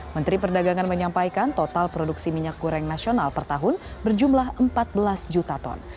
menteri perdagangan menyampaikan total produksi minyak goreng nasional per tahun berjumlah empat belas juta ton